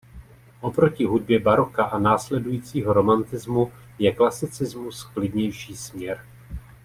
Oproti hudbě baroka a následujícího romantismu je klasicismus klidnější směr.